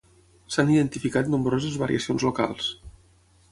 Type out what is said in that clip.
S'han identificat nombroses variacions locals.